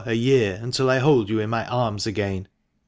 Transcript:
a year until I hold you m my arms again.